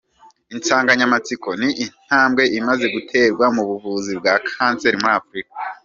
Insanganyamatsiko ni : “Intambwe imaze guterwa mu buvuzi bwa Kanseri muri Afurika”.